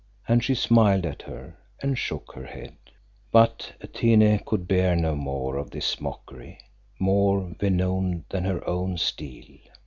and she smiled at her and shook her head. But Atene could bear no more of this mockery, more venomed than her own steel.